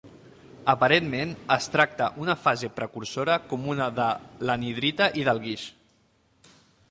Aparentment, es tracta una fase precursora comuna de l'anhidrita i del guix.